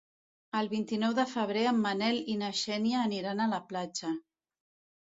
El vint-i-nou de febrer en Manel i na Xènia aniran a la platja.